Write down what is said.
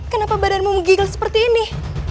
kenapa badanmu menggigil seperti ini